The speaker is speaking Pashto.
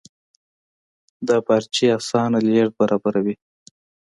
دا بارچي اسانه لېږد برابروي.